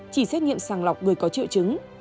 chỉ xét nghiệm sàng lọc người có triệu chứng